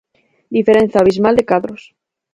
Diferenza abismal de cadros.